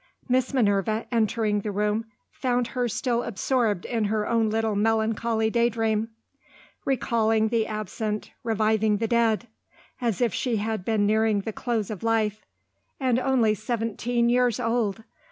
Miss Minerva, entering the room, found her still absorbed in her own little melancholy daydream; recalling the absent, reviving the dead as if she had been nearing the close of life. And only seventeen years old.